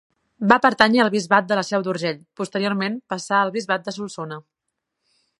Va pertànyer al bisbat de la Seu d'Urgell, posteriorment passà al bisbat de Solsona.